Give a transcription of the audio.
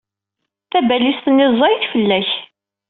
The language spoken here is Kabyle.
Tabalizt-nni zẓaye-t fella-k.